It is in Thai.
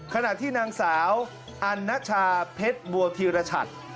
ขณะที่นางสาวอันนชาเพชรบัวธีรชัด